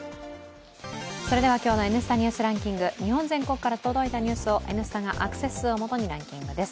それでは今日の「Ｎスタ・ニュースランキング」日本全国から届いたニュースを「Ｎスタ」がアクセス数をもとにランキングです。